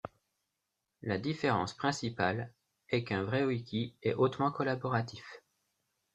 La différence principale est qu'un vrai wiki est hautement collaboratif.